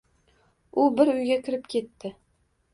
U bir uyga kirib ketdi.